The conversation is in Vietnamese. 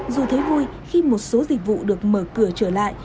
dù thấy vui khi một số dịch vụ được mở cửa trở lại